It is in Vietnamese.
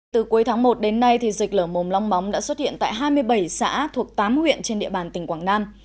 từ cuối tháng một đến nay dịch lở mồm long móng đã xuất hiện tại hai mươi bảy xã thuộc tám huyện trên địa bàn tỉnh quảng nam